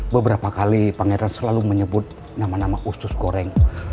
beberapa kali pangeran selalu menyebut nama nama usus goreng